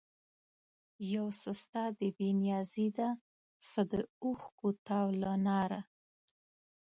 یو څه ستا د بې نیازي ده، څه د اوښکو تاو له ناره